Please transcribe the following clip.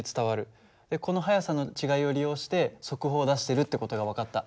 この速さの違いを利用して速報を出してるって事が分かった。